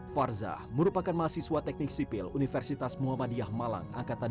farzah merupakan mahasiswa teknik sipil universitas muhammadiyah malang angkatan dua ribu dua puluh